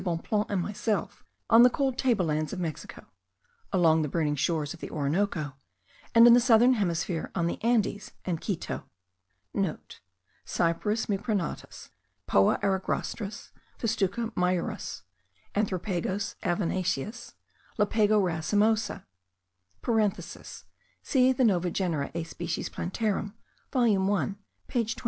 Bonpland and myself on the cold table lands of Mexico, along the burning shores of the Orinoco, and in the southern hemisphere on the Andes and Quito.* (* Cyperus mucronatus, Poa eragrostis, Festuca myurus, Andropogos avenaceus, Lapago racemosa. (See the Nova Genera et Species Plantarum volume 1 page 25.))